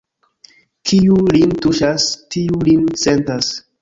Kiu lin tuŝas, tiu lin sentas.